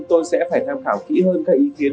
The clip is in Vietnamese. tôi sẽ phải tham khảo kỹ hơn các ý kiến